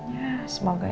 ya semoga ya